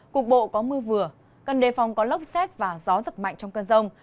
cục bộ có mưa vừa cần đề phòng có lốc xét và gió giật mạnh trong cơn rông